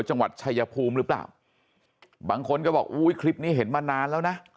จังหวัดช่วยคลิปเซ้ยอะพวงหรือเปล่าบางคนจะบอกว่ากลิปนี้เห็นมานานแล้วนะ